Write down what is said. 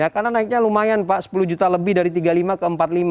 karena naiknya lumayan pak sepuluh juta lebih dari tiga puluh lima ke empat puluh lima